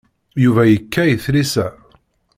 Yuba yekka i tlisa.